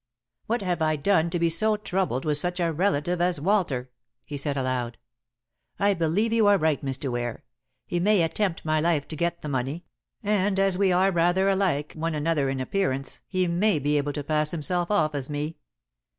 "What have I done to be so troubled with such a relative as Walter?" he said aloud. "I believe you are right, Mr. Ware. He may attempt my life to get the money; and as we are rather like one another in appearance he may be able to pass himself off as me.